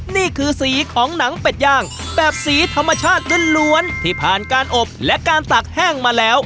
นี่คือสีของหนังเป็ดย่างแบบสีธรรมชาติล้วนที่ผ่านการอบและการตักแห้งมาแล้ว